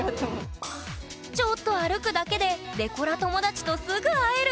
ちょっと歩くだけでデコラ友達とすぐ会える！